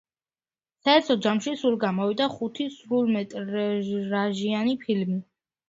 საერთო ჯამში, სულ გამოვიდა ხუთი სრულმეტრაჟიანი ფილმი.